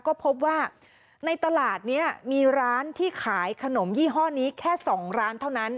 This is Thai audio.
ก็พบว่าในตลาดนี้มีร้านที่ขายขนมยี่ห้อนี้แค่๒ร้านเท่านั้น